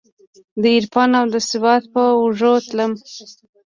دعرفان اودسواد په اوږو تلمه